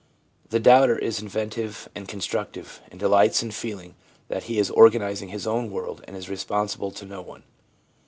The doubter is inventive and constructive, and delights in feeling that be is organising his own world and is responsible to no one.